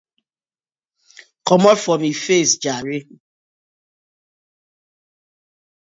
Komot for mi face jare.